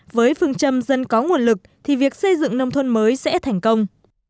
với phương châm dân có nguồn lực thì việc xây dựng nông thôn mới sẽ thành công